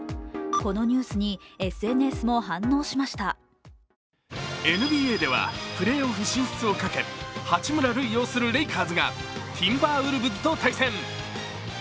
このニュースにＳＮＳも反応しましたＮＢＡではプレーオフ進出をかけ八村塁要するレイカーズがティンバーウルブズと対戦。